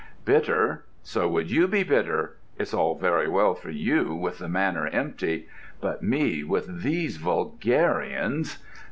"Bitter! So would you be bitter! It's all very well for you, with the Manor empty;—but me, with these vulgarians!...